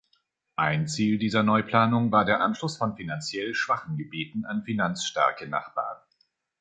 Ein Ziel dieser Neuplanung war der Anschluss von finanziell schwachen Gebieten an finanzstarke Nachbarn.